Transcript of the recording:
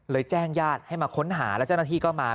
แจ้งญาติให้มาค้นหาแล้วเจ้าหน้าที่ก็มา